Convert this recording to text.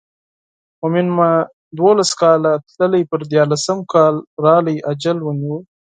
مومن مې دولس کاله تللی پر دیارلسم کال راغی اجل ونیو.